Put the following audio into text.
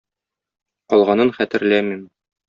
Калганын хәтерләмим.